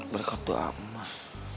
berkat doa emak